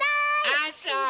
あそう！